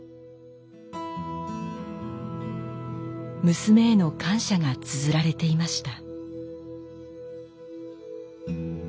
娘への感謝がつづられていました。